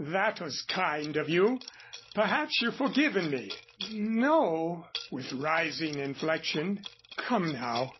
"That was kind of you. Perhaps you've forgiven me." "N no," with rising inflection. "Come now!